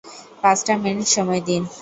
পাঁচটা মিনিট সময় দিন!